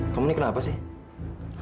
kamu ini kenapa sih